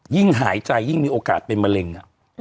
ยิ่งหายใจยิ่งมีโอกาสเป็นมะเร็ง